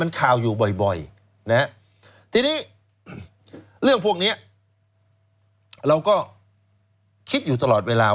มันข่าวอยู่บ่อยนะฮะทีนี้เรื่องพวกนี้เราก็คิดอยู่ตลอดเวลา